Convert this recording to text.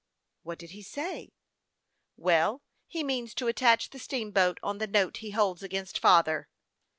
"What did he say?" " Well, he means to attach the steamboat on the note he holds against father."